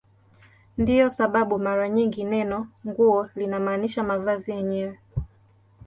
Ndiyo sababu mara nyingi neno "nguo" linamaanisha mavazi yenyewe.